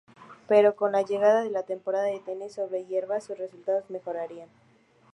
Pero, con la llegada de la temporada de tenis sobre hierba, sus resultados mejorarían.